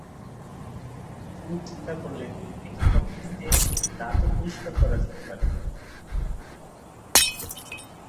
তিনি চিন্তা করলেন একই পদ্ধতিতে দাঁতও পরিষ্কার করা যেতে পারে।